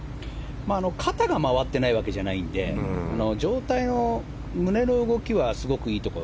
肩が回ってないわけじゃないので上体の胸の動きはすごくいいところ。